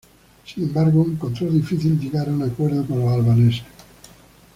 Sin embargo, encontró difícil llegar a un acuerdo con los albaneses.